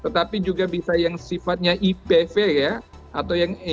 tetapi juga bisa yang sifatnya ipv ya atau yang sifatnya polio yang dilemahkan